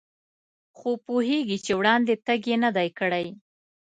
خو پوهېږي چې وړاندې تګ یې نه دی کړی.